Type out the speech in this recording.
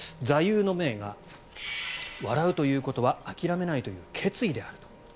座右の銘が笑うということは諦めないという決意であると。